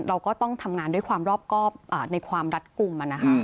เราก็ต้องทำงานด้วยความรอบครอบในความรัดกลุ่ม